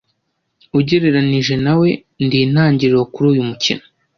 Ugereranije nawe, Ndi intangiriro kuri uyu mukino.